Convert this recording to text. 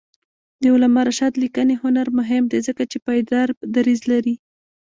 د علامه رشاد لیکنی هنر مهم دی ځکه چې پایدار دریځ لري.